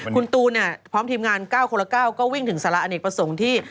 คุณตูนพร้อมทีมงาน๙คนละ๙ก็วิ่งถึงสาระอเนกประสงค์ที่